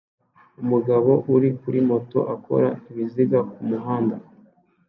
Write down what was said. Umugabo uri kuri moto akora ibiziga kumuhanda